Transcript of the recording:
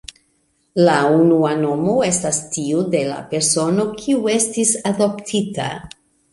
La unua nomo estas tiu de la persono, kiu estis adoptita.